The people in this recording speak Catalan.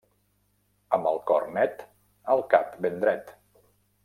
Amb el cor net, el cap ben dret.